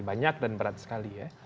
banyak dan berat sekali ya